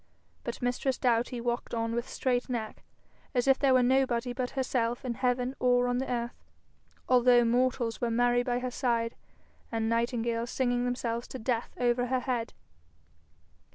But mistress Doughty walked on with straight neck, as if there were nobody but herself in heaven or on the earth, although mortals were merry by her side, and nightingales singing themselves to death over her head.